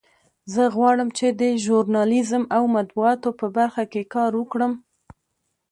زه غواړم چې د ژورنالیزم او مطبوعاتو په برخه کې کار وکړم